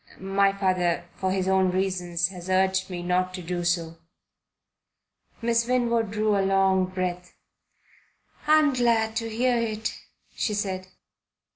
"My father, for his own reasons, has urged me not to do so." Miss Winwood drew a long breath. "I'm glad to hear it," she said.